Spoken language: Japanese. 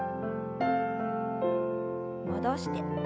戻して。